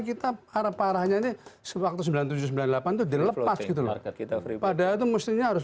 kita penawarin dunia